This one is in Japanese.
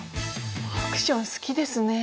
アクション好きですね。